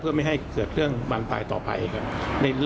เพื่อไม่ให้เกิดเรื่องบานปลายต่อไปครับ